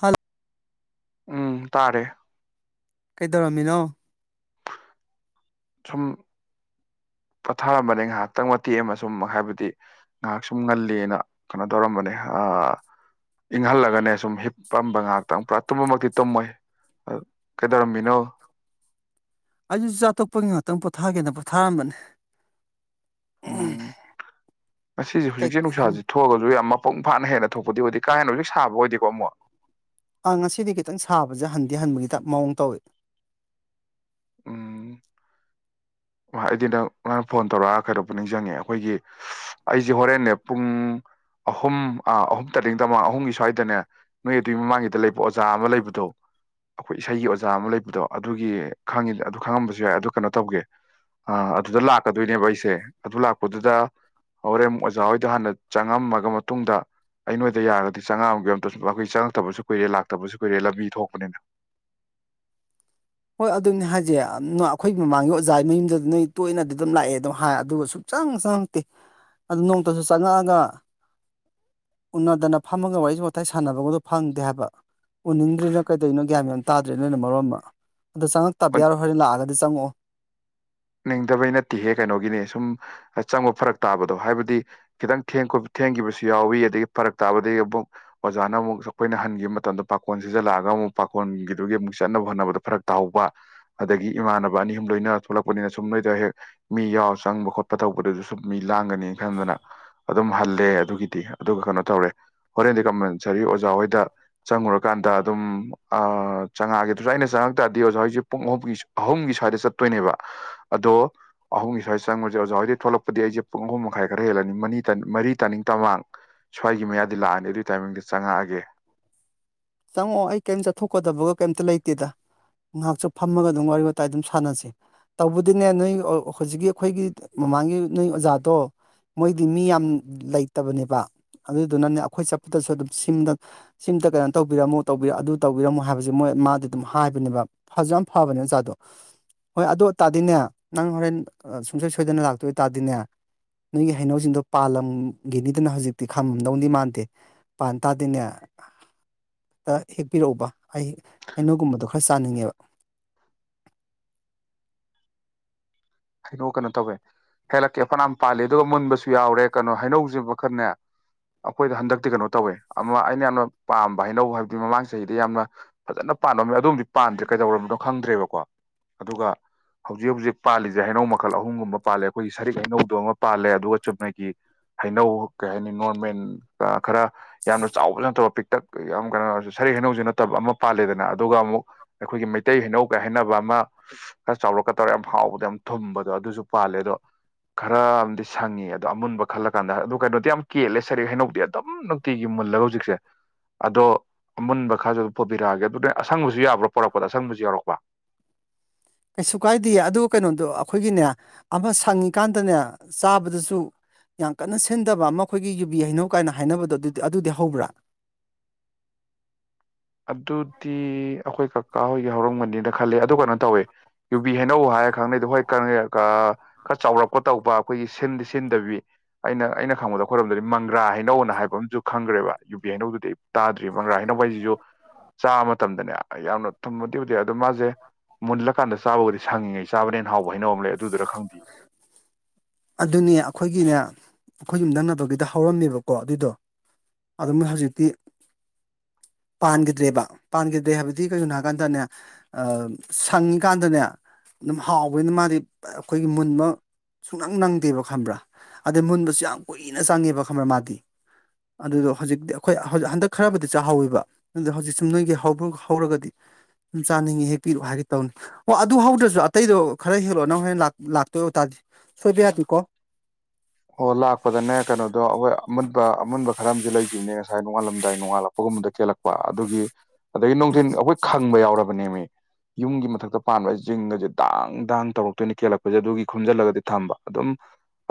hello ꯎꯝ ꯇꯥꯔꯦ ꯀꯩꯗꯧꯔꯝꯃꯤꯅꯣ ꯊꯨꯝ [inaudible] ꯄꯣꯊꯥꯔꯝꯕꯅꯦ ꯉꯥꯏꯍꯥꯛꯇꯪ ꯃꯇꯦꯛ ꯑꯃ ꯁꯨꯝ ꯍꯥꯏꯕꯗꯤ ꯉꯥꯏꯍꯥꯛ ꯁꯨꯝ ꯉꯜꯂꯤꯅ ꯀꯩꯅꯣ ꯇꯧꯔꯝꯕꯅꯦ ꯑꯥ ꯏꯪꯍꯜꯂꯒꯅꯦ ꯁꯨꯝ ꯍꯤꯞ ꯄꯝꯕ ꯉꯥꯏꯍꯥꯛꯇꯪ ꯄꯨꯔꯥ ꯇꯨꯝꯕꯃꯛꯇꯤ ꯇꯨꯝꯃꯣꯏ ꯑ ꯀꯩꯗꯧꯔꯝꯃꯤꯅꯣ ꯑꯩꯁꯨ ꯆꯥꯛ ꯇꯣꯛꯄꯒꯤ ꯉꯥꯛꯇꯪ ꯄꯣꯊꯥꯒꯦꯅ ꯄꯣꯊꯥꯔꯝꯕꯅꯦ ꯎꯝ ꯉꯥꯁꯤꯁꯦ ꯀꯩ ꯍꯧꯖꯤꯛꯁꯦ ꯅꯨꯡꯁꯥꯁꯦ ꯊꯣꯛꯑꯒꯁꯨ ꯌꯥꯝ ꯃ ꯃꯄꯨꯡ ꯐꯥꯅ ꯍꯦꯟꯅ ꯊꯣꯛꯄꯗꯤ ꯑꯣꯏꯗꯦ ꯀꯥ ꯍꯦꯟꯅ ꯍꯧꯖꯤꯛ ꯁꯥꯕ ꯑꯣꯏꯗꯦ ꯑꯥ ꯉꯁꯤꯗꯤ ꯈꯤꯇꯪ ꯁꯥꯕꯁꯦ ꯍꯟ ꯍꯟꯗꯤ ꯍꯟꯕꯒꯤ ꯇꯥꯞ ꯃꯑꯣꯡ ꯇꯧꯋꯦ ꯎꯝ ꯑꯩꯗꯤ ꯅꯪ ꯅꯪ ꯐꯣꯟ ꯇꯧꯔꯛꯑꯒ ꯀꯩꯅꯣꯝꯕꯨ ꯅꯤꯡꯁꯤꯡꯉꯛꯑꯦ ꯑꯩꯈꯣꯏꯒꯤ ꯑꯩꯁꯦ ꯍꯣꯔꯦꯟꯅꯦ ꯄꯨꯡ ꯑꯍꯨꯝ ꯑꯥ ꯑꯍꯨꯝ ꯇꯔꯦꯡ ꯇꯃꯥꯡ ꯑꯍꯨꯝꯒꯤ ꯁ꯭ꯋꯥꯏꯗꯅꯦ ꯅꯣꯏ ꯑꯗꯨꯒꯤ ꯃꯃꯥꯡꯒꯤꯗ ꯂꯩꯕ ꯑꯣꯖꯥ ꯑꯃ ꯂꯩꯕꯗꯣ ꯑꯩꯈꯣꯏ ꯏꯁꯩꯒꯤ ꯑꯣꯖꯥ ꯑꯃ ꯂꯩꯕꯗꯣ ꯑꯗꯨꯒꯤ ꯈꯉꯤ ꯑꯗꯨ ꯈꯪꯉꯝꯕꯁꯨ ꯌꯥꯏ ꯑꯗꯨ ꯀꯩꯅꯣ ꯇꯧꯒꯦ ꯑ ꯑꯗꯨꯗ ꯂꯥꯛꯀꯗꯣꯏꯅꯦꯕ ꯑꯩꯁꯦ ꯑꯗꯨ ꯂꯥꯛꯄꯗꯨꯗ ꯍꯣꯔꯦꯝ ꯑꯣꯖꯥ ꯍꯣꯏ ꯗꯨ ꯍꯥꯟꯅ ꯆꯪꯉꯝꯃꯒ ꯃꯇꯨꯡꯗ ꯑꯩ ꯅꯣꯏꯗ ꯌꯥꯔꯒꯗꯤ ꯆꯪꯉꯑꯝꯒꯦ ꯑꯝꯇꯁꯨ ꯑꯩꯈꯣꯏ ꯆꯪꯉꯛꯇꯕꯁꯨ ꯀꯨꯏꯔꯦ ꯂꯥꯛꯇꯕꯁꯨ ꯀꯨꯏꯔꯦ ꯂꯝꯕꯤ ꯊꯣꯛꯄꯅꯤꯅ [inaudible] ꯍꯣꯏ ꯑꯗꯨꯅꯤ ꯍꯥꯏꯁꯦ ꯑꯩꯈꯣꯏ ꯃꯃꯥꯡꯒꯤ ꯑꯣꯖꯥꯒꯤ ꯃꯌꯨꯝꯗꯗꯤ ꯅꯣꯏ ꯇꯣꯏꯅꯗꯤ ꯑꯗꯨꯝ ꯂꯥꯛꯑꯦ ꯑꯗꯨꯝ ꯍꯥꯏ ꯑꯗꯨꯒ ꯁꯨꯡꯆꯪ ꯆꯪ ꯆꯪꯉꯛꯇꯦ ꯑꯗꯨ ꯅꯣꯡꯃꯇꯁꯨ ꯆꯪꯉꯛꯑꯒ ꯎꯅꯗꯅ ꯐꯝꯃꯒ ꯋꯥꯔꯤ ꯋꯥꯇꯥꯏ ꯁꯥꯟꯅꯕꯒꯗꯣ ꯐꯪꯗꯦ ꯍꯥꯏꯕ ꯎꯅꯤꯡꯗ꯭ꯔꯤꯔ ꯀꯩꯗꯧꯅꯣ ꯒ꯭ꯌꯥꯟ ꯌꯥꯝ ꯇꯥꯗ꯭ꯔꯦ ꯅꯣꯏꯅ ꯃꯔꯣꯟ ꯑꯃ ꯑꯗꯣ ꯆꯪꯉꯛꯇꯕ ꯌꯥꯔꯣꯏ ꯍꯣꯔꯦꯟ ꯂꯥꯛꯑꯒꯗꯤ ꯆꯪꯉꯛꯑꯣ ꯑꯨꯅꯤꯡꯗꯕꯩ ꯅꯠꯇꯦꯍꯦ ꯀꯩꯅꯣꯒꯤꯅꯦ ꯁꯨꯝ ꯆꯪꯕ ꯐꯔꯛ ꯇꯥꯕꯗꯣ ꯍꯥꯏꯕꯗꯤ ꯈꯤꯇꯪ ꯊꯦꯡ ꯊꯦꯡꯈꯤꯕꯁꯨ ꯌꯥꯎꯏꯤ ꯑꯗꯒꯤ ꯐꯔꯛ ꯇꯥꯕꯗꯒꯤ ꯑꯃꯨꯛ ꯑꯣꯖꯥꯅ ꯑꯃꯨꯛ ꯑꯩꯈꯣꯏꯅ ꯍꯟꯈꯤꯕ ꯃꯇꯝꯗ ꯄꯥꯀꯣꯟ ꯁꯤꯖꯤꯜꯂꯛꯑꯒ ꯑꯃꯨꯛ ꯄꯥꯈꯣꯟꯒꯤꯗꯨꯒꯤ ꯑꯃꯨꯛ ꯆꯠꯅꯕ ꯍꯣꯠꯅꯕꯗ ꯐꯔꯛ ꯇꯥꯎꯧꯕ ꯑꯗꯒꯤ ꯏꯃꯥꯟꯅꯕ ꯑꯅꯤ ꯑꯍꯨꯝ ꯂꯣꯏꯅꯔ ꯊꯣꯛꯂꯛꯄ ꯊꯣꯛꯄꯅꯤꯅ ꯁꯨꯝ ꯅꯣꯏꯗ ꯍꯦꯛ ꯃꯤ ꯌꯥꯎ ꯆꯪꯕ ꯈꯣꯠꯄ ꯇꯧꯕꯗꯨꯁꯨ ꯁꯨꯝ ꯃꯤ ꯂꯥꯡꯒꯅꯤ ꯈꯟꯗꯅ ꯑꯗꯨꯝ ꯍꯜꯂꯦ ꯑꯗꯨꯒꯤꯗꯤ ꯑꯗꯨꯒ ꯀꯩꯅꯣ ꯇꯧꯔꯦ ꯍꯣꯔꯦꯟꯗꯤ ꯀꯝꯄꯟꯁꯔꯤ ꯑꯣꯖꯥꯍꯣꯏꯗ ꯆꯪꯉꯨꯔꯀꯥꯟꯗ ꯀꯟꯗ ꯑꯗꯨꯝ ꯆꯪꯉꯛꯑꯒꯦꯗꯨꯁꯨ ꯑꯩꯅ ꯆꯪꯉꯛ ꯇꯥꯔꯗꯤ ꯑꯣꯖꯥ ꯍꯧꯖꯤꯛ ꯄꯨꯡ ꯑꯍꯨꯝꯒꯤ ꯑꯍꯨꯝꯒꯤ ꯁ꯭ꯋꯥꯏꯗ ꯆꯠꯇꯣꯏꯅꯦꯕ [inaudible] ꯑꯗꯣ ꯑꯍꯨꯝꯒꯤ ꯁ꯭ꯋꯥꯏ ꯆꯪꯉꯨꯖꯤꯔꯣ ꯑꯣꯖꯥ ꯍꯣꯏꯗꯩ ꯊꯣꯛꯂꯛꯄꯗꯤ ꯑꯩꯖꯦ ꯑꯍꯨꯝ ꯃꯈꯥꯏ ꯈꯔ ꯍꯦꯜꯂꯅꯤ ꯃꯅꯤ ꯃꯔꯤ ꯇꯥꯏꯃꯤꯡ ꯃꯃꯥꯡ ꯁ꯭ꯋꯥꯏꯒꯤ ꯃꯌꯥꯗꯤ ꯂꯥꯛꯑꯅꯤ ꯑꯗꯨꯏ ꯇꯥꯏꯃꯤꯡꯗ ꯆꯪꯉꯛꯑꯒꯦ ꯆꯪꯉꯛꯑꯣ ꯑꯩ ꯀꯩꯝ ꯆꯠꯊꯣꯛꯀꯗꯕꯒ ꯀꯩꯝꯇ ꯂꯩꯇꯦꯗ ꯉꯥꯛꯁꯨ ꯐꯝꯃꯒ ꯑꯗꯨꯝ ꯋꯥꯔꯤ ꯋꯥꯇꯥꯏ ꯑꯗꯨꯝ ꯁꯥꯟꯅꯖꯤ ꯇꯧꯕꯨꯗꯤꯅꯦ ꯅꯣꯏ ꯍꯧꯖꯤꯛꯀꯤ ꯑꯩꯈꯣꯏꯒꯤ ꯃꯃꯥꯡꯒꯤ ꯅꯣꯏ ꯑꯣꯖꯥꯗꯣ ꯃꯣꯏꯗꯤ ꯃꯤ ꯌꯥꯝ ꯂꯩꯇꯕꯅꯦꯕ ꯑꯗꯨꯗꯨꯅꯅꯦ ꯑꯈꯣꯏ ꯆꯠꯄꯗꯁꯨ ꯑꯗꯨꯝ ꯁꯤꯝꯗꯪ ꯁꯤꯝꯇ ꯀꯩꯅꯣ ꯇꯧꯕꯤꯔꯝꯃꯨ ꯇꯧꯕꯤꯔ ꯑꯗꯨ ꯇꯧꯕꯤꯔꯝꯃꯨ ꯍꯥꯏꯕꯖꯦ ꯃꯣꯏ ꯃꯥꯗꯤ ꯑꯗꯨꯝ ꯍꯥꯏꯕꯅꯦꯕ ꯐꯖꯨ ꯌꯥꯝ ꯐꯕꯅꯦ ꯑꯣꯖꯥꯗꯣ ꯍꯣꯏ ꯑꯗꯨ ꯑꯣꯏ ꯇꯥꯗꯤꯅꯦ ꯅꯪ ꯍꯣꯔꯦꯟ ꯁꯨꯡꯁꯣꯏ ꯁꯣꯏꯗꯅ ꯂꯥꯛꯇꯣꯏ ꯑꯣꯏꯇꯥꯗꯤꯅꯦ ꯅꯣꯏꯒꯤ ꯍꯩꯅꯧꯖꯤꯡꯗꯣ ꯄꯥꯜꯂꯝꯒꯤꯅꯤꯗꯅ ꯍꯧꯖꯤꯛꯇꯤ ꯈꯝꯃꯝꯗꯧꯗꯤ ꯃꯥꯟꯗꯦ ꯄꯥꯟ ꯇꯥꯗꯤꯅꯦ [inaudible] ꯇ ꯍꯦꯛꯄꯤꯔꯛꯎꯕ ꯑꯩ ꯍꯩꯅꯧꯒꯨꯝꯕꯗꯣ ꯈꯔ ꯆꯥꯅꯤꯡꯉꯦꯕ [inaudible] ꯍꯩꯅꯧ ꯀꯩꯅꯣ ꯇꯧꯋꯦ ꯍꯦꯜꯂꯛꯀꯦ ꯐꯅꯝ ꯄꯥꯜꯂꯤ ꯑꯗꯨꯒ ꯃꯨꯟꯕꯁꯨ ꯌꯥꯎꯔꯦ ꯀꯩꯅꯣ ꯍꯩꯅꯧꯖꯨ ꯃꯈꯜꯅꯦ ꯑꯈꯣꯏꯗ ꯍꯟꯗꯛꯇꯤ ꯀꯩꯅꯣ ꯇꯧꯋꯦ ꯑꯃ ꯑꯩꯅ ꯌꯥꯝꯅ ꯄꯥꯝꯕ ꯍꯩꯅꯧ ꯍꯥꯏꯕꯗꯤ ꯃꯃꯥꯡ ꯆꯍꯤꯗ ꯌꯥꯝꯅ ꯐꯖꯅ ꯄꯥꯟꯂꯝ ꯑꯗꯨꯝꯗꯤ ꯄꯥꯟꯗ꯭ꯔꯦ ꯀꯩꯗꯧꯔꯅꯣ ꯈꯪꯗ꯭ꯔꯦꯕꯀꯣ ꯑꯗꯨꯒ ꯍꯧꯖꯤꯛ ꯍꯧꯖꯤꯛ ꯄꯥꯜꯂꯤ ꯖꯦ ꯍꯩꯅꯧ ꯃꯈꯜ ꯑꯍꯨꯝꯒꯨꯝꯕ ꯄꯥꯜꯂꯦ ꯑꯩꯈꯣꯏꯒꯤ ꯁꯔꯤꯛ ꯍꯩꯅꯧꯗꯣ ꯑꯃ ꯄꯥꯜꯂꯦ ꯑꯗꯨꯒ ꯆꯨꯝꯅꯒꯤ ꯍꯩꯅꯧ ꯀꯩ ꯍꯥꯏꯅꯤ ꯅꯣꯔꯃꯦꯜ ꯈꯔ ꯌꯥꯝꯅ ꯆꯥꯎꯕꯁꯨ ꯅꯠꯇꯕ ꯄꯤꯛꯇꯛ ꯌꯥꯝ ꯀꯩꯅꯣ ꯑꯇꯩ ꯍꯩꯅꯧꯖꯨ ꯅꯠꯇꯕ ꯑꯃ ꯄꯥꯜꯂꯦꯗꯅ ꯑꯗꯨꯒ ꯑꯃꯨꯛ ꯑꯩꯈꯣꯏꯒꯤ ꯃꯩꯇꯩ ꯍꯩꯅꯧꯒꯥꯏ ꯍꯥꯏꯅꯕ ꯑꯃ ꯈꯔ ꯆꯥꯎꯔꯞ ꯇꯧꯔ ꯌꯥꯝ ꯍꯥꯎꯕꯗꯣ ꯌꯥꯝ ꯊꯨꯝꯕꯗꯣ ꯑꯗꯨꯖꯨ ꯄꯥꯜꯂꯦ ꯑꯗꯣ ꯈꯔ ꯑꯃꯗꯤ ꯁꯪꯉꯤ ꯑꯗꯣ ꯑꯃꯨꯟꯕ ꯈꯜꯂ ꯀꯥꯟꯗ ꯑꯣ ꯀꯩꯅꯣꯗꯤ ꯌꯥꯝ ꯀꯦꯜꯂꯦ ꯁꯔꯤꯛ ꯍꯩꯅꯧꯗꯤ ꯑꯗꯨꯝ ꯅꯨꯡꯇꯤꯒꯤ ꯃꯨꯜꯂꯒ ꯍꯧꯖꯤꯛꯁꯦ ꯑꯗꯣ ꯑꯃꯨꯟꯕ ꯈꯔꯖꯨ ꯑꯗꯨꯝ ꯄꯨꯕꯤꯔꯛꯑꯒꯦ ꯑꯗꯨꯗꯤ ꯑꯁꯪꯕꯖꯨ ꯌꯥꯕ꯭ꯔꯣ ꯄꯣꯔꯛꯄꯗ ꯑꯁꯪꯕꯖꯨ ꯌꯥꯎꯔꯛꯄ [inaudible] ꯀꯩꯁꯨ ꯀꯥꯏꯗꯤꯌꯦ ꯑꯗꯨ ꯀꯩꯅꯣꯗꯣ ꯑꯈꯣꯏꯒꯤꯅꯦ ꯑꯃ ꯁꯪꯉꯤꯀꯥꯟꯗꯅꯦ ꯆꯥꯕꯗꯖꯨ ꯌꯥꯝ ꯀꯟꯅ ꯁꯤꯟꯗꯕ ꯑꯃ ꯑꯈꯣꯏꯒꯤ ꯌꯨꯕꯤ ꯍꯩꯅꯧ ꯀꯥꯏꯅ ꯍꯥꯏꯅꯕꯗꯣ ꯑꯗꯨ ꯑꯗꯨꯗꯤ ꯍꯧꯕ꯭ꯔꯥ [inaudible] ꯑꯗꯨꯗꯤ ꯑꯈꯣꯏ ꯀꯀꯥ ꯍꯣꯏꯒꯤ ꯍꯧꯔꯝꯒꯅꯤꯅ ꯈꯜꯂꯦ ꯑꯗꯨ ꯀꯩꯅꯣ ꯇꯧꯋꯦ ꯕꯤ ꯍꯩꯅꯧ ꯍꯥꯏꯔ ꯈꯪꯅꯩꯗꯣ ꯍꯣꯏ [unintelligible] ꯈꯔ ꯆꯥꯎꯔꯛꯄ ꯇꯧꯕ ꯈꯣꯏꯒꯤ ꯁꯤꯟꯗꯤ ꯁꯤꯟꯗꯕꯤ ꯑꯩꯅ ꯑꯩꯅ ꯈꯪꯕꯗ ꯈꯣꯏꯔꯣꯝꯗꯗꯤ ꯃꯪꯒ꯭ꯔꯥ ꯍꯩꯅꯧꯅ ꯍꯥꯏ ꯍꯥꯏꯕ ꯑꯝꯖꯨ ꯈꯪꯒ꯭ꯔꯦꯕ ꯌꯨ ꯕꯤ ꯍꯩꯅꯧꯗꯨꯗꯤ ꯇꯥꯗ꯭ꯔꯤꯕ ꯃꯪꯒ꯭ꯔꯥ ꯍꯩꯅꯧ ꯍꯥꯏꯖꯤꯖꯨ ꯆꯥꯕ ꯃꯇꯝꯗꯅꯦ ꯌꯥꯝꯅ ꯊꯨꯝꯕꯗꯤ ꯑꯣꯏꯗꯦ ꯑꯗꯨ ꯃꯥꯖꯦ ꯃꯨꯜꯂꯀꯥꯟꯗ ꯆꯥꯕꯕꯨꯗꯤ ꯁꯪꯉꯤꯉꯩ ꯆꯥꯕꯅ ꯍꯦꯟ ꯍꯥꯎꯕ ꯍꯩꯅꯧ ꯑꯃ ꯂꯩ ꯑꯗꯨꯗꯨꯔ ꯈꯪꯗꯤ ꯑꯥꯗꯨꯅꯦ ꯑꯥꯈꯣꯏꯒꯤꯅꯦ ꯑꯥꯈꯣꯏ ꯌꯨꯝꯗꯪꯅꯕꯒꯤꯗ ꯍꯧꯔꯝꯃꯦꯕꯀꯣ ꯑꯗꯨꯗꯣ ꯑꯥꯗꯨꯝ ꯍꯧꯖꯤꯛꯇꯤ ꯄꯥꯟꯒꯤꯗ꯭ꯔꯦꯕ ꯄꯥꯟꯒꯤꯗ꯭ꯔꯦ ꯍꯥꯏꯕꯗꯤ ꯀꯩꯒꯤꯅꯣ ꯍꯥꯏꯀꯥꯟꯗꯅꯦ ꯁꯪꯉꯤꯀꯥꯟꯗꯅꯦ ꯑꯗꯨꯝ ꯍꯥꯎꯕꯅꯤꯅ ꯃꯥꯗꯤ ꯑꯈꯣꯏꯒꯤ ꯃꯨꯟꯕ ꯁꯨꯡ ꯅꯪ ꯅꯪꯗꯦꯕ ꯈꯪꯕ꯭ꯔꯥ ꯑꯗꯩ ꯃꯨꯟꯕꯖꯨ ꯌꯥꯝ ꯀꯨꯏꯅ ꯆꯪꯉꯦꯕ ꯈꯪꯕ꯭ꯔꯥ ꯃꯥꯗꯤ ꯑꯗꯨꯗꯣ ꯍꯧꯖꯤꯛꯇꯤ ꯑꯈꯣꯏ ꯍꯧ ꯍꯟꯗꯛ ꯈꯔꯕꯨꯗꯤ ꯆꯥꯍꯧꯋꯦꯕ ꯑꯗꯨꯗ ꯍꯧꯖꯤꯛ ꯁꯦ ꯅꯣꯏꯒꯤ ꯍꯧꯕꯝ ꯍꯧꯔꯒꯗꯤ ꯁꯨꯝ ꯆꯥꯅꯤꯡꯉꯤ ꯍꯦꯛꯄꯤꯔꯛꯑꯣ ꯍꯥꯏꯒꯦ ꯇꯧꯅꯤ ꯍꯣ ꯑꯗꯨ ꯍꯧꯗ꯭ꯔꯖꯨ ꯑꯇꯩꯗꯣ ꯈꯔ ꯍꯦꯛꯂꯛꯑꯣ ꯅꯪ ꯍꯣꯔꯦꯟ ꯂꯥꯛ ꯂꯥꯛꯇꯣꯏ ꯑꯣꯏꯇꯥꯥꯔꯗꯤ ꯁꯣꯏꯕꯌꯥꯗꯦꯀꯣ ꯑꯣ ꯂꯥꯛꯄꯗꯅꯦ ꯀꯩꯅꯣꯗꯣ ꯑꯍꯣꯏ ꯑꯃꯨꯟꯕ ꯑꯃꯨꯟꯕ ꯈꯔꯑꯝꯖꯨ ꯂꯩꯒꯤꯕꯅꯦ ꯉꯁꯥꯏ ꯅꯣꯡꯉꯥꯜꯂꯝꯗꯥꯏ ꯅꯣꯡꯉꯥꯜꯂꯛꯄꯒꯨꯝꯕꯗ ꯀꯦꯜꯂꯛꯄ ꯑꯗꯨꯒꯤ ꯑꯗꯒꯤ ꯅꯨꯡꯗꯤꯟ ꯑꯩꯈꯣꯏ ꯈꯪꯕ ꯌꯥꯎꯔꯕꯅꯦꯃꯤ ꯌꯨꯝꯒꯤ ꯃꯊꯛꯇ ꯄꯥꯟꯕ ꯖꯤꯡꯒꯖꯦ ꯗꯥꯡ ꯗꯥꯡ ꯇꯧꯔꯛꯇꯣꯏꯅꯤ ꯀꯦꯜꯂꯛꯄꯖꯤꯗ ꯑꯗꯨꯒꯤ ꯈꯨꯟꯖꯤꯜꯂꯒꯗꯤ ꯊꯝꯕ ꯑꯗꯨꯝ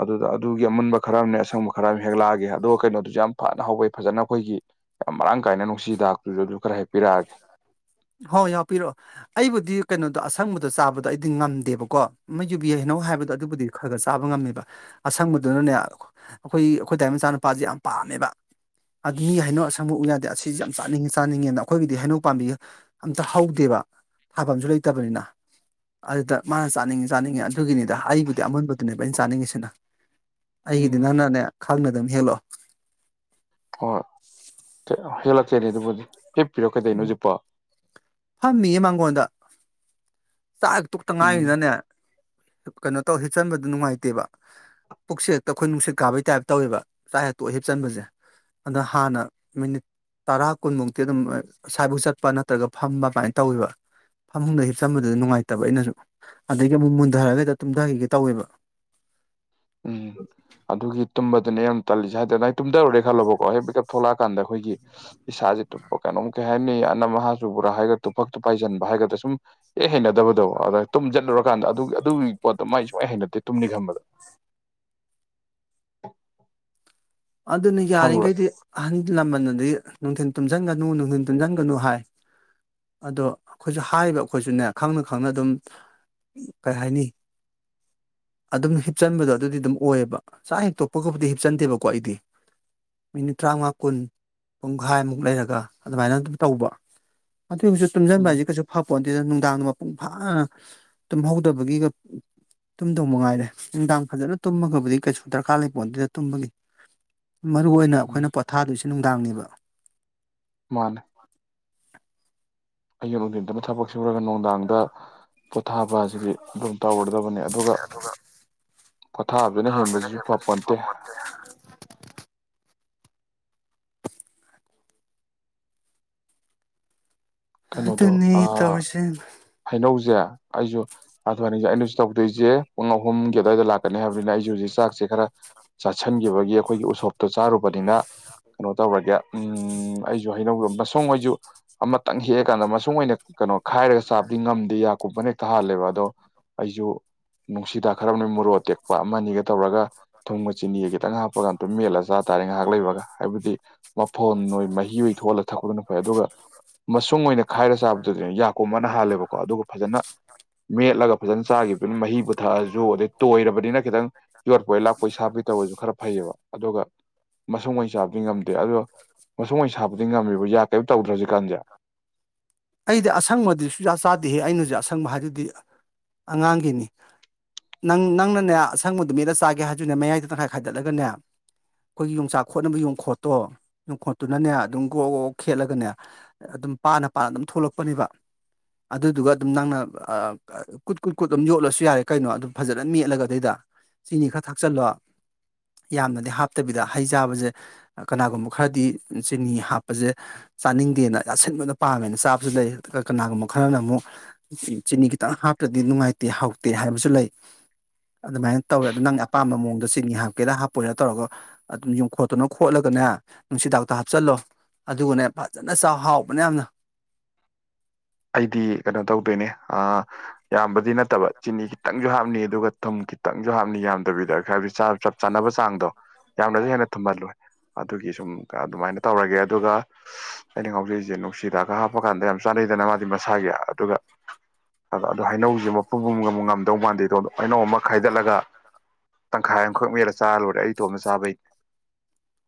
ꯑꯗꯨꯗꯥ ꯑꯛ ꯑꯗꯨꯒꯤ ꯑꯃꯨꯟꯕ ꯈꯔ ꯑꯝꯅꯦ ꯑꯁꯪꯕ ꯈꯔ ꯑꯝꯅꯦ ꯍꯦꯛꯂꯛꯑꯒꯦ ꯑꯗꯨꯒ ꯀꯩꯅꯣꯗꯨꯖꯨ ꯌꯥꯝ ꯐꯅ ꯍꯧꯋꯦ ꯐꯖꯅ ꯈꯣꯏꯒꯤ ꯌꯥꯝ ꯃꯔꯥꯡ ꯀꯥꯏꯅ ꯅꯨꯡꯁꯤꯍꯤꯗꯥꯛꯇꯨꯖꯨ ꯑꯗꯨ ꯈꯔ ꯍꯦꯛ ꯍꯣꯏ ꯌꯥꯎꯄꯤꯔꯛꯑꯣ ꯑꯩꯕꯨꯗꯤ ꯀꯩꯅꯣꯗꯣ ꯑꯁꯪꯕ ꯗꯣ ꯆꯥꯕꯗꯣ ꯑꯩꯗꯤ ꯉꯝꯗꯦꯕꯀꯣ ꯑꯃ ꯌꯨꯕꯤ ꯍꯩꯅꯧ ꯍꯥꯏꯕꯗꯣ ꯑꯗꯨꯕꯨꯗꯤ ꯈꯥꯒ ꯆꯥꯕ ꯉꯝꯃꯦꯕ ꯑꯁꯪꯕꯗꯨꯅ ꯅꯦ ꯑꯩꯈꯣꯏ ꯑꯩꯈꯣꯏꯗꯥꯏ ꯃꯆꯥꯅꯨꯄꯥꯖꯦ ꯌꯥꯝ ꯄꯥꯝꯃꯦꯕꯥ ꯑꯗꯨ ꯃꯤ ꯍꯩꯅꯧ ꯑꯁꯪꯕ ꯎ ꯌꯥꯗꯦ ꯑꯁꯤꯖꯨ ꯌꯥꯝ ꯆꯥꯅꯤꯡꯉꯤ ꯆꯥꯅꯤꯡꯉꯦꯅ ꯑꯈꯣꯏꯒꯤꯗꯤ ꯍꯩꯅꯧ ꯄꯥꯝꯕꯤ ꯑꯝꯇ ꯍꯧꯗꯦꯕ ꯊꯥꯕꯝꯖꯨ ꯂꯩꯇꯕꯅꯤꯅ ꯑꯗꯨꯗ ꯃꯥꯅ ꯆꯥꯅꯤꯡꯉꯤ ꯆꯥꯅꯤꯡꯉꯤ ꯑꯗꯨꯒꯤꯅꯤꯗ ꯑꯩꯕꯨꯗꯤ ꯑꯃꯨꯟꯕꯗꯨꯅꯦꯕ ꯑꯩꯅ ꯆꯥꯅꯤꯡꯉꯤꯁꯤꯅ ꯑꯩꯒꯤꯗꯤ ꯎꯝ ꯅꯪꯅꯅꯦ ꯈꯪꯅ ꯑꯗꯨꯝ ꯍꯦꯛꯂꯛꯑꯣ ꯍꯣ ꯍꯣꯏ ꯍꯦꯂꯛꯀꯦꯅꯦ ꯑꯗꯨꯕꯨꯗꯤ ꯍꯤꯞꯄꯤꯔ ꯀꯩꯗꯧꯏꯅꯣ ꯍꯧꯖꯤꯛꯄꯣ ꯐꯝꯃꯤꯌꯦ ꯃꯥꯡꯒꯣꯟꯗ ꯆꯥꯛ ꯍꯦꯛ ꯇꯣꯛꯇ ꯎꯝ ꯉꯥꯏꯔꯤꯅꯅꯦ ꯀꯩꯅꯣ ꯇꯧ ꯍꯤꯞꯆꯟꯕꯗꯨ ꯅꯨꯡꯉꯥꯏꯇꯦꯕ ꯄꯨꯛꯁꯦ ꯍꯦꯛꯇ ꯑꯩꯈꯣꯏ ꯅꯨꯡꯁꯤꯠ ꯀꯥꯕꯩ ꯇꯥꯏꯞ ꯇꯧꯋꯦꯕ ꯆꯥꯛ ꯍꯦꯛ ꯇꯣꯛꯑ ꯍꯤꯞꯆꯟꯕꯁꯦ ꯑꯗ ꯍꯥꯟꯅ ꯃꯤꯅꯤꯠ ꯇꯔꯥ ꯀꯨꯟꯃꯨꯛꯇꯤ ꯑꯗꯨꯝ ꯁꯥꯏꯕꯣꯛ ꯆꯠꯄ ꯅꯠꯇ꯭ꯔꯒ ꯐꯝꯕ ꯑꯗꯨꯃꯥꯏꯅ ꯇꯧꯋꯦꯕ ꯐꯃꯨꯡꯗ ꯍꯤꯞꯆꯟꯕ ꯗꯨꯗ ꯅꯨꯡꯉꯥꯏꯇꯕ ꯑꯩꯅꯖꯨ ꯑꯗꯒꯤ ꯑꯃꯨꯛ ꯃꯨꯟꯗꯔꯒ ꯍꯦꯇ ꯇꯨꯝꯗꯒꯤꯒꯦ ꯇꯧꯋꯦꯕ [inaudible] ꯎꯝ ꯑꯗꯨꯒꯤ ꯇꯨꯝꯕꯗꯨꯅꯦ ꯌꯥꯝ ꯇꯜꯂꯤꯖꯦ ꯍꯥꯏꯗꯤ ꯗꯨꯃꯥꯏ ꯇꯨꯝꯗꯔꯨꯔꯦ ꯈꯜꯂꯣꯕꯀꯣ ꯍꯦꯛ ꯃꯤꯀꯞ ꯊꯣꯛꯂꯛꯑꯀꯥꯟꯗ ꯑꯩꯈꯣꯏꯒꯤ ꯏꯁ ꯏꯁꯥꯖꯦ ꯇꯨꯄ ꯀꯩꯅꯣꯝ ꯀꯩ ꯍꯥꯏꯅꯤ ꯑꯅꯝ ꯑꯍꯥ ꯆꯨꯕ꯭ꯔ ꯍꯥꯏꯒ ꯇꯨꯐꯛ ꯇꯨꯄꯥꯏ ꯆꯟꯕ ꯍꯥꯏꯒꯗ꯭ꯔ ꯁꯨꯝ ꯏꯍꯩ ꯍꯩꯅꯗꯕꯗꯣ ꯗ ꯑꯗꯣ ꯇꯨꯝꯖꯜꯂꯨꯔꯀꯥꯟꯗ ꯑꯗꯨꯒꯤ ꯑꯗꯨꯒꯤ ꯄꯣꯠꯇꯣ ꯃꯥꯏ ꯁꯨꯡ ꯍꯩ ꯍꯩꯅꯗꯦ ꯇꯨꯝꯅꯤ ꯈꯟꯕꯗ [inaudible] [inaudible] ꯑꯗꯨꯅ ꯈꯪꯕ꯭ꯔꯥ ꯌꯥꯔꯤꯡꯒꯩꯗꯤ ꯑꯍꯟ ꯂꯃꯟꯅꯗꯤ ꯅꯨꯡꯊꯤꯟ ꯇꯨꯝꯖꯟꯒꯅꯨ ꯅꯨꯡꯗꯤꯟ ꯇꯨꯝꯖꯟꯒꯅꯨ ꯍꯥꯏ ꯑꯗꯣ ꯈꯣꯏꯖꯨ ꯍꯥꯏꯔꯤꯕ ꯑꯩꯈꯣꯏꯖꯨꯅꯦ ꯈꯪꯅ ꯈꯪꯅ ꯑꯗꯨꯝ ꯀꯩꯍꯥꯏꯅꯤ ꯑꯗꯨꯝ ꯍꯤꯞꯆꯟꯕꯗꯣ ꯑꯗꯨꯗꯤ ꯑꯗꯨꯝ ꯑꯣꯏꯌꯦꯕ ꯆꯥꯛ ꯍꯦꯛꯇꯣꯛꯄꯒꯕꯨꯗꯤ ꯍꯤꯞꯆꯟꯗꯦꯕꯀꯣ ꯑꯩꯗꯤ ꯃꯤꯅꯤꯠ ꯇꯔꯥꯉ꯭ꯋꯥ ꯀꯨꯟ ꯄꯨꯡꯒꯥꯏꯃꯨꯛ ꯂꯩꯔꯒ ꯑꯗꯨꯃꯥꯏꯅ ꯑꯗꯨꯝ ꯇꯧꯕ ꯑꯗꯨ ꯍꯧꯖꯤꯛ ꯇꯨꯝꯖꯤꯟꯕ ꯎꯝ ꯍꯥꯏꯖꯦ ꯀꯩꯁꯨ ꯐꯄꯣꯟꯇꯦꯗ ꯅꯨꯡ ꯅꯨꯡꯗꯥꯡꯗ ꯃꯄꯨꯡ ꯐꯥꯅ ꯇꯨꯝꯍꯧꯗꯕꯒꯤꯒ ꯇꯨꯝꯗꯧ ꯃꯉꯥꯏꯔꯦ ꯅꯨꯡꯗꯥꯡ ꯐꯖꯅ ꯇꯨꯝꯃꯒꯕꯨꯗꯤ ꯀꯩꯁꯨ ꯗꯔꯀꯥꯔ ꯂꯩ ꯄꯣꯟꯇꯦꯗ ꯇꯨꯝꯕꯒꯤ ꯃꯔꯨ ꯑꯣꯏꯅ ꯎꯝ ꯑꯩꯈꯣꯏꯅ ꯄꯣꯊꯥꯗꯣꯏꯁꯦ ꯅꯨꯡꯗꯥꯡꯅꯦꯕ ꯃꯥꯟꯅꯦ ꯑꯌꯨꯛ ꯅꯨꯡꯊꯤꯟꯗꯅ ꯊꯕꯛ ꯁꯨꯔꯒ ꯅꯨꯡꯗꯥꯡꯗ ꯄꯣꯊꯥꯕ ꯍꯥꯏꯁꯤꯗꯤ ꯑꯗꯨꯝ ꯇꯧꯔꯦ ꯗꯕꯅꯦ ꯑꯗꯨꯒ ꯄꯣꯊꯥꯕꯖꯤꯅ ꯍꯦꯟꯕꯖꯤꯖꯨ ꯐꯄꯣꯟꯇꯦ ꯀꯩꯅꯣꯗꯣ ꯑꯗꯨꯅꯤ ꯑꯥ ꯇꯧꯔꯤꯁꯦ ꯍꯩꯅꯧꯖꯦ ꯑꯩꯖꯨ ꯑꯥꯊꯋꯥꯅꯤꯒꯤ ꯑꯩꯅꯖꯨ ꯇꯧꯗꯣꯏꯖꯦ ꯄꯨꯡ ꯑꯍꯨꯝꯒꯤ ꯑꯗꯨꯋꯥꯏꯗ ꯂꯥꯛ ꯀꯅꯣ ꯍꯥꯏꯕꯅꯤꯅ ꯑꯩꯖꯨ ꯍꯧꯖꯤꯛ ꯆꯥꯛꯁꯦ ꯈꯔ ꯆꯥꯁꯤꯟꯈꯤꯕꯒꯤ ꯑꯩꯈꯣꯏꯒꯤ ꯎꯁꯣꯞꯇꯣ ꯆꯥꯔꯨꯕꯅꯤꯅ ꯀꯅꯣ ꯇꯧꯔꯒꯦ ꯎꯝ ꯑꯩꯖꯨ ꯍꯩꯅꯧꯗꯣ ꯃ ꯊꯣꯡꯑꯣꯢꯁꯨ ꯑꯃꯇꯪ ꯍꯦꯛꯑ ꯀꯥꯟꯗ ꯃꯁꯨꯡ ꯑꯣꯏꯅ ꯈꯥꯏꯔꯒ ꯆꯥꯕꯗꯤ ꯉꯝꯗꯦ ꯌꯥ ꯀꯨꯝꯕꯅ ꯍꯦꯛꯇ ꯍꯥꯜꯂꯦꯕ ꯑꯗꯣ ꯑꯩꯁꯨ ꯅꯨꯡꯁꯤꯗꯥꯛ ꯈꯔ ꯅ ꯃꯣꯔꯣꯛ ꯇꯦꯛꯄ ꯑꯃ ꯅꯤꯒ ꯇꯧꯔꯒ ꯊꯨꯡꯒ ꯆꯤꯅꯤꯒ ꯈꯤꯇꯪ ꯍꯥꯞꯄꯒꯥꯟ ꯑꯗꯨꯝ ꯃꯦꯜꯂ ꯆꯥ ꯇꯥꯔꯦ ꯉꯥꯏꯍꯥꯛ ꯂꯩꯕꯒ ꯍꯥꯏꯕꯗꯤ ꯐꯣꯟ ꯑꯣꯏ ꯃꯍꯤ ꯑꯣꯏ ꯊꯣꯛꯍꯜꯂꯒ ꯊꯛꯄꯗꯨꯅ ꯐꯩ ꯑꯗꯨꯒ ꯃꯁꯨꯡ ꯑꯣꯏꯅ ꯈꯥꯏꯔ ꯆꯥꯕꯗꯨꯗꯤ ꯌꯥꯀꯨꯝꯃ ꯅ ꯍꯥꯜꯂꯦꯕꯀꯣ ꯑꯗꯨꯒ ꯐꯖꯅ ꯃꯦꯠꯂꯒ ꯐꯖꯅ ꯆꯥꯈꯤꯕꯅꯤ ꯃꯍꯤ ꯄꯨꯊꯛꯑꯁꯨ ꯑꯗꯩ ꯇꯣꯏꯔꯕꯅꯤꯅ ꯈꯤꯇꯪ ꯌꯣꯠꯄꯣꯢ ꯂꯥꯛꯄꯣꯏ ꯁꯥ ꯐꯠꯇꯕꯁꯨ ꯈꯔ ꯐꯩꯌꯦꯕ ꯑꯗꯨꯒ ꯃꯁꯨꯡ ꯑꯣꯢ ꯆꯥꯕꯗꯤ ꯉꯝꯗꯦ ꯑꯗꯣ ꯃꯁꯨꯡ ꯑꯣꯏ ꯆꯥꯕꯗꯤ ꯉꯝꯃꯤꯕꯣ ꯌꯥ ꯀꯔꯤꯝ ꯇꯧꯗ꯭ꯔ ꯍꯧꯖꯤ ꯀꯥꯟꯁꯦ ꯑꯩꯗꯤ ꯑꯁꯪꯕꯗꯨ ꯁꯨꯡꯆꯥ ꯆꯥꯗꯦꯍꯦ ꯑꯩꯅꯁꯨ ꯑꯁꯪꯕ ꯍꯥꯏꯗꯨꯗꯤ ꯑꯉꯥꯡꯒꯤꯅꯤ ꯅꯪ ꯅꯪꯅꯅꯦ ꯑꯁꯪꯕꯗꯨ ꯃꯦꯠꯂ ꯆꯥꯒꯦ ꯍꯥꯏꯗꯨꯅꯦ ꯃꯌꯥꯏꯗ ꯇꯪꯈꯥꯏ ꯈꯥꯏꯗꯠꯂꯒꯅꯦ ꯑꯩꯈꯣꯏꯒꯤ ꯌꯣꯡꯆꯥꯛ ꯈꯦꯠꯅꯕ ꯌꯣꯡꯈꯣꯠꯇꯣ ꯌꯣꯡꯈꯣꯠꯇꯨꯅꯅꯦ ꯑꯗꯨꯝ ꯒ꯭ꯔꯣ ꯒ꯭ꯔꯣꯛ ꯈꯦꯠꯂꯒꯅꯦ ꯑꯝ ꯄꯥꯅ ꯄꯥꯅ ꯗꯨꯝ ꯊꯣꯛꯂꯛꯄꯅꯦꯕ ꯑꯗꯨꯗꯨꯒ ꯑꯗꯨꯝ ꯅꯪꯅ ꯑꯥ ꯀꯥ ꯀꯨꯠ ꯀꯨꯠ ꯀꯨꯠ ꯑꯗꯨꯝ ꯌꯣꯠꯂꯁꯨ ꯌꯥꯔꯦ ꯀꯩꯅꯣ ꯑꯗꯨꯝ ꯐꯖꯅ ꯃꯦꯠꯂꯒ ꯑꯗꯩꯗ ꯁꯤꯅꯤ ꯈꯔ ꯊꯥꯛꯆꯜꯂꯣ ꯌꯥꯝꯅꯗꯤ ꯍꯥꯞꯇꯕꯤꯗ ꯍꯩ ꯆꯥꯕꯖꯦ ꯀꯅꯥꯒꯨꯝꯕ ꯈꯔꯗꯤ ꯆꯤꯅꯤ ꯍꯥꯞꯄꯖꯦ ꯆꯥꯅꯤꯡꯗꯦꯅ ꯑꯁꯤꯟꯕꯗꯣ ꯄꯥꯝꯃꯦꯅ ꯆꯥꯕꯁꯨ ꯂꯩ ꯑꯗꯒ ꯀꯅꯥꯒꯨꯝꯕ ꯈꯔꯅ ꯑꯃꯨꯛ ꯆꯤ ꯆꯤꯅꯤ ꯈꯤꯇꯪ ꯍꯥꯞꯇ꯭ꯔꯗꯤ ꯅꯨꯡꯉꯥꯏꯇꯦ ꯍꯥꯎꯇꯦ ꯍꯥꯏꯕꯁꯨ ꯂꯩ ꯑꯗꯨꯃꯥꯏꯅ ꯇꯧꯋꯦ ꯑꯗꯨ ꯅꯪ ꯑꯄꯥꯝꯕ ꯃꯑꯣꯡꯗ ꯆꯤꯅꯤ ꯍꯥꯞꯀꯦꯔꯥ ꯍꯥꯞꯄꯣꯏꯔꯥ ꯇꯧꯔꯒ ꯑꯗꯨꯝ ꯌꯣꯡꯈꯣꯠꯇꯨꯅ ꯈꯣꯠꯂꯒ ꯅꯥ ꯅꯨꯡꯁꯤꯗꯥꯛꯇꯣ ꯍꯥꯞꯆꯜꯂꯣ ꯑꯗꯨꯒꯅꯦ ꯐꯖꯅ ꯆꯥꯎ ꯍꯥꯎꯕꯅꯦ ꯌꯥꯝꯅ ꯑꯩꯗꯤ ꯀꯩꯅꯣ ꯇꯧꯗꯣꯏꯅꯦ ꯑꯥ ꯌꯥꯝꯕꯗꯤ ꯅꯠꯇꯕ ꯆꯤꯅꯤ ꯈꯤꯇꯪꯁꯨ ꯍꯥꯞꯅꯤ ꯑꯗꯨꯒ ꯊꯨꯝ ꯈꯤꯇꯪꯖꯨ ꯍꯥꯞꯅꯤ ꯌꯥꯝꯗꯕꯤꯗ ꯍꯥꯏꯕꯗꯤ ꯆꯥꯕ ꯆꯞ ꯆꯥꯅꯕꯩ ꯆꯥꯡꯗꯣ ꯌꯥꯝꯅꯁꯨ ꯍꯦꯟꯅ ꯊꯨꯝꯍꯜꯂꯣꯏ ꯑꯗꯨꯒꯤ ꯁꯨꯝ ꯀꯥ ꯑꯗꯨꯃꯥꯏꯅ ꯇꯧꯔꯒꯦ ꯑꯗꯨꯒ ꯑꯩꯅ ꯉꯥꯎꯖꯩꯖꯦ ꯅꯨꯡꯁꯤꯗꯥꯛꯀ ꯍꯥꯞꯄꯀꯥꯟꯗ ꯌꯥꯝ ꯆꯥꯟꯅꯩꯗꯅ ꯃꯥ ꯃꯁꯥꯒꯤ ꯑꯗꯨꯒ ꯑꯗꯣ ꯑꯗꯣ ꯍꯩꯅꯧꯖꯦ ꯃꯄꯨꯝ ꯑꯃ ꯉꯝ ꯉꯝꯗꯧ ꯃꯥꯟꯗꯦꯗꯣ ꯍꯩꯅꯧ ꯑꯃ ꯈꯥꯏꯗꯠꯂꯒ ꯇꯪꯈꯥꯏ ꯑꯃꯈꯛ ꯃꯦꯠꯂ ꯆꯥꯔ ꯂꯣꯏꯔꯦ ꯑꯩ ꯏꯇꯣꯝꯅ ꯆꯥꯕꯩ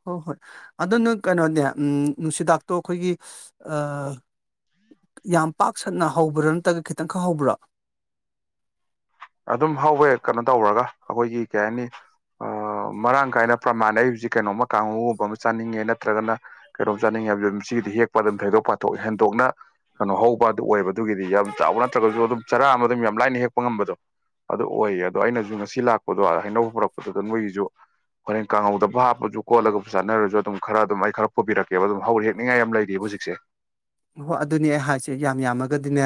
ꯍꯣ ꯍꯣꯏ ꯑꯗꯨ ꯅꯣꯏ ꯀꯩꯅꯣꯅꯦ ꯑꯝ ꯅꯨꯡꯁꯤꯗꯥꯛꯇꯣ ꯑꯩꯈꯣꯏꯒꯤ ꯑꯥ ꯌꯥꯝ ꯄꯥꯛ ꯁꯟꯅ ꯍꯧꯕ꯭ꯔꯥ ꯅꯠꯇ꯭ꯔꯒ ꯈꯤꯇꯪꯈꯛ ꯍꯧꯕ꯭ꯔꯣ ꯑꯗꯨꯝ ꯍꯧꯋꯦ ꯀꯩꯅꯣ ꯇꯧꯔꯒ ꯑꯩꯈꯣꯏꯒꯤ ꯀꯩ ꯍꯥꯏꯅꯤ ꯑꯥ ꯃꯔꯥꯡ ꯀꯥꯏꯅ ꯄ꯭ꯔꯃꯥꯟ ꯅꯩ ꯍꯧꯖꯤꯛ ꯀꯩꯅꯣꯝꯃ ꯀꯥꯡꯒꯧꯒꯨꯝꯕ ꯑꯃ ꯆꯥꯅꯤꯡꯉꯦ ꯅꯠꯇ꯭ꯔꯒꯅ ꯀꯩꯅꯣꯝ ꯆꯥꯅꯤꯡꯉꯦ ꯍꯥꯏꯕꯗ ꯁꯤꯒꯤꯗꯤ ꯍꯦꯛꯄ ꯑꯗꯨꯝ ꯊꯩꯗꯣꯛ ꯄꯥꯊꯣꯛ ꯍꯦꯟꯗꯣꯛ ꯅꯥ ꯀꯩꯅꯣ ꯍꯧꯕ ꯑꯗꯨ ꯑꯣꯏꯕ ꯗꯨꯒꯤꯗꯤ ꯌꯥꯝ ꯆꯥꯎꯕ ꯅꯠꯇ꯭ꯔꯒꯁꯨ ꯑꯗꯨꯝ ꯆꯔꯥ ꯑꯃ ꯑꯗꯨꯝ ꯌꯥꯝ ꯂꯥꯏꯅ ꯍꯦꯛꯄ ꯉꯝꯕꯗꯣ ꯑꯗꯨ ꯑꯣꯏꯌꯦ ꯑꯗꯣ ꯑꯩꯅꯖꯨ ꯉꯁꯤ ꯂꯥꯛꯄꯗꯣ ꯍꯩꯅꯧ ꯄꯨꯔꯛꯄꯗꯨꯗ ꯅꯣꯏꯒꯤꯖꯨ ꯍꯣꯔꯦꯟ ꯀꯥꯡꯍꯧꯗꯕꯨ ꯍꯥꯞꯄꯁꯨ ꯀꯣꯠꯂꯒꯕꯨ ꯆꯠꯅꯔꯁꯨ ꯑꯗꯨꯝ ꯈꯔ ꯑꯗꯨꯝ ꯑꯩ ꯈꯔ ꯄꯨꯕꯤꯔꯛꯀꯦꯕ ꯑꯗꯨꯝ ꯍꯧꯔꯤ ꯍꯦꯛꯅꯤꯡꯉꯥꯏ ꯌꯥꯝ ꯂꯩꯔꯤꯕ ꯍꯨꯖꯤꯛꯁꯦ ꯍꯣ ꯑꯗꯨꯅꯤ ꯑꯩ ꯍꯥꯏꯁꯦ ꯌꯥꯝ ꯌꯥꯝꯃꯒꯗꯤꯅꯦ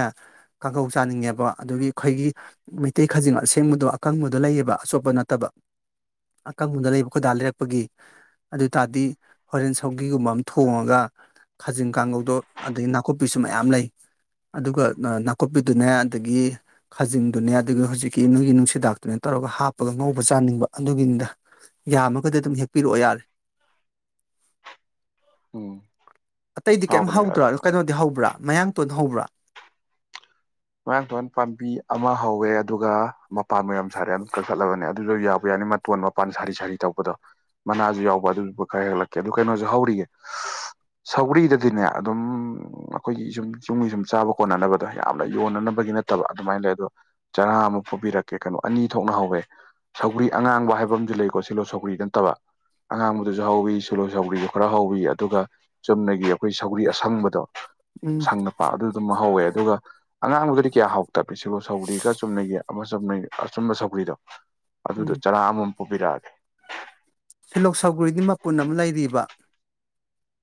ꯀꯥꯡꯍꯧ ꯆꯥꯅꯤꯡꯉꯦꯕ ꯑꯗꯨꯒꯤ ꯑꯩꯈꯣꯏꯒꯤ ꯃꯩꯇꯩ ꯈꯖꯤꯡ ꯑꯁꯦꯡꯕꯗꯣ ꯑꯀꯪꯕꯗ ꯂꯩꯌꯦꯕ ꯑꯆꯣꯠꯄ ꯅꯠꯇꯕ ꯑꯀꯪꯕꯗ ꯂꯩꯕꯌꯦꯕ ꯑꯩꯈꯣꯏ ꯗꯥ ꯂꯩꯔꯛꯄꯒꯤ ꯑꯗꯨ ꯇꯥꯔꯗꯤ ꯍꯣꯔꯦꯟ ꯁꯧꯒꯤꯒꯨꯝꯕ ꯑꯃ ꯊꯣꯡꯉꯒ ꯈꯥꯖꯤꯡ ꯀꯥꯡꯒꯧꯗꯣ ꯑꯗꯒꯤ ꯅꯥꯀꯨꯞꯄꯤꯁꯨ ꯃꯌꯥꯝ ꯂꯩ ꯑꯗꯨꯒ ꯅꯥꯀꯨꯞꯄꯤꯗꯨꯅꯦ ꯑꯗꯒꯤ ꯈꯥꯖꯤꯡꯗꯨꯅꯦ ꯑꯗꯨꯒ ꯍꯧꯖꯤꯛꯀꯤ ꯅꯣꯏꯒꯤ ꯅꯨꯡꯁꯤꯗꯥꯛꯇꯨꯅꯦ ꯇꯧ ꯇꯧꯔꯒ ꯍꯥꯞꯄꯒ ꯉꯧꯕ ꯆꯥꯅꯤꯡꯕ ꯑꯗꯨꯒꯤꯅꯤꯗ ꯌꯥꯝꯃꯒꯗꯤ ꯑꯗꯨꯝ ꯍꯦꯛꯄꯤꯔꯛꯑꯣ ꯌꯥꯔꯦ ꯎꯝ ꯑꯇꯩꯗꯤ ꯀꯩꯝ ꯍꯥꯎꯕꯅꯦ ꯍꯧꯗ꯭ꯔꯣ ꯀꯩꯅꯣꯗꯤ ꯍꯧꯕ꯭ꯔꯥ ꯃꯌꯥꯡꯇꯣꯟ ꯍꯧꯕ꯭ꯔꯥ ꯃꯌꯥꯡ ꯇꯣꯟ ꯄꯥꯝꯕꯤ ꯑꯃ ꯍꯧꯋꯦ ꯑꯗꯨꯒ ꯃꯄꯥꯟꯕꯨ ꯌꯥꯝ ꯁꯥꯔꯦ ꯑꯝꯇ ꯀꯛꯂꯕꯅꯦ ꯑꯗꯨꯁꯨ ꯌꯥꯕꯨ ꯌꯥꯏ ꯃꯇꯣꯟ ꯃꯄꯥꯟ ꯁꯥꯔꯤ ꯁꯥꯔꯤ ꯇꯧꯕꯗꯣ ꯃꯅꯥꯁꯨ ꯌꯥꯎꯕ ꯑꯗꯨꯗꯨꯖꯨ ꯈꯔ ꯍꯦꯛꯂꯛꯀꯦ ꯑꯗꯨ ꯀꯩꯅꯣꯁꯨ ꯍꯧꯔꯤꯑꯦ ꯁꯧꯒ꯭ꯔꯤꯗꯗꯤꯅꯦ ꯑꯗꯨꯝ ꯑꯩꯈꯣꯏꯒꯤ ꯌꯨꯝ ꯌꯨꯝꯒꯤ ꯁꯨꯝ ꯆꯥꯕ ꯀꯣꯟꯅꯅꯕꯗꯣ ꯌꯥꯝ ꯌꯣꯟꯅꯅꯕꯒꯤ ꯅꯠꯇꯕ ꯑꯗꯨꯃꯥꯏꯅ ꯂꯩ ꯑꯗꯣ ꯆꯔꯥ ꯑꯃ ꯄꯨꯕꯤꯔꯛꯀꯦ ꯀꯩꯅꯣ ꯑꯅꯤ ꯊꯣꯛꯅ ꯍꯧꯋꯦ ꯁꯧꯒꯤ ꯒ꯭ꯔꯤ ꯑꯉꯥꯡꯕ ꯍꯥꯏꯕ ꯑꯃꯖꯨ ꯂꯩꯀꯣ ꯁꯤꯂꯣ ꯁꯧꯒ꯭ꯔꯤ ꯅꯠꯇꯕ ꯑꯉꯥꯡꯕꯗꯨꯁꯨ ꯍꯧꯥꯎꯋꯤ ꯁꯣꯂꯣ ꯁꯥꯎꯒ꯭ꯔꯤꯗꯨ ꯈꯔ ꯍꯥꯎꯋꯤ ꯑꯗꯨꯒ ꯆꯨꯝꯅꯒꯤ ꯑꯩꯈꯣꯏ ꯁꯥꯎꯒ꯭ꯔꯤ ꯑꯁꯪꯕꯗꯣ ꯎꯝ ꯁꯪꯅꯄꯥ ꯑꯗꯨꯗꯨꯃ ꯍꯧꯋꯦ ꯑꯗꯨꯒ ꯑꯉꯥꯡꯗꯨꯗꯤ ꯀꯌꯥ ꯍꯧꯎꯇꯕꯅꯦ ꯁꯤꯂꯣ ꯁꯧꯒ꯭ꯔꯤꯒ ꯆꯨꯝꯅꯒꯤ ꯑꯃ ꯆꯨꯝꯅꯩ ꯑꯆꯨꯝꯕ ꯁꯧꯒ꯭ꯔꯤꯗꯣ ꯑꯗꯨꯗꯣ ꯎꯝ ꯆꯔꯥ ꯑꯃꯃꯝ ꯄꯨꯕꯤꯔꯛꯑꯒꯦ ꯁꯤꯜꯂꯣꯛ ꯁꯧꯒ꯭ꯔꯤꯗꯤ ꯃꯄꯨꯟ ꯑꯃ ꯂꯩꯔꯤꯕ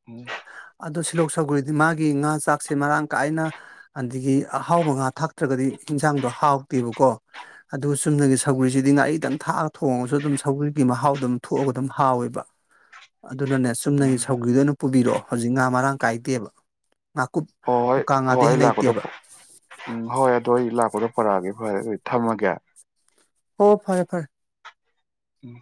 ꯎꯝ ꯑꯗꯣ ꯁꯤꯜꯂꯣꯛ ꯁꯧꯒ꯭ꯔꯤꯗꯤ ꯃꯥꯒꯤ ꯉꯥ ꯆꯥꯛꯁꯦ ꯃꯔꯥꯡ ꯀꯥꯏꯅ ꯑꯗꯒꯤ ꯑꯍꯥꯎꯕ ꯉꯥ ꯊꯥꯛꯇ꯭ꯔꯒꯗꯤ ꯏꯟꯖꯥꯡꯗꯣ ꯍꯥꯎꯇꯦꯕꯀꯣ ꯑꯗꯨꯒ ꯆꯨꯝꯅꯒꯤ ꯁꯧꯒꯔꯤꯁꯤꯗꯤ ꯉꯥꯔꯤꯗꯪ ꯊꯥꯛꯑꯒ ꯊꯣꯡꯉꯁꯨ ꯑꯗꯨꯝ ꯁꯧꯒꯔꯤꯒꯤ ꯃꯍꯥꯎꯗꯨꯝ ꯊꯣꯛꯑꯒ ꯑꯗꯨꯝ ꯍꯥꯎꯋꯦꯕ ꯑꯗꯨꯅꯅꯦ ꯆꯨꯝꯅꯒꯤ ꯎꯝ ꯁꯧꯒꯤꯗꯣ ꯑꯣꯏꯅ ꯄꯨꯕꯤꯔꯛꯑꯣ ꯍꯧꯖꯤꯛ ꯉꯥ ꯃꯔꯥꯡ ꯀꯥꯏꯗꯦꯕ ꯉꯥꯀꯨꯞ ꯍꯣꯏ ꯍꯣꯏ ꯃꯨꯀꯥ ꯍꯣꯏ ꯉꯥꯗꯩ ꯑꯩ ꯍꯦꯟꯅ ꯂꯥꯛꯀꯗ ꯂꯩꯇꯦꯕ ꯄꯨ ꯎꯝ ꯍꯣꯏ ꯑꯗꯨ ꯑꯩ ꯂꯥꯛ ꯄꯨꯔꯛꯑꯒꯦ ꯐꯔꯦ ꯑꯗꯨꯗꯤ ꯊꯝꯃꯒꯦ ꯑꯣ ꯐꯔꯦ ꯐꯔꯦ ꯎꯝ